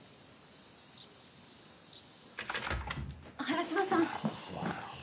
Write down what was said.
原島さん。